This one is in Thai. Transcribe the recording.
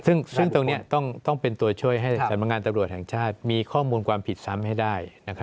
ซึ่งตรงนี้ต้องเป็นตัวช่วยให้สำนักงานตำรวจแห่งชาติมีข้อมูลความผิดซ้ำให้ได้